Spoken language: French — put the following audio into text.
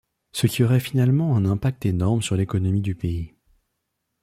Ce qui aurait finalement un impact énorme sur l’économie du pays.